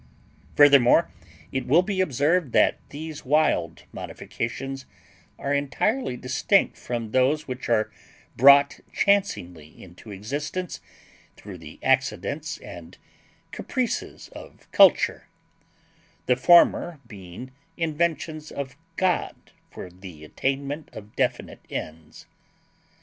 Furthermore, it will be observed that these wild modifications are entirely distinct from those which are brought chancingly into existence through the accidents and caprices of culture; the former being inventions of God for the attainment of definite ends.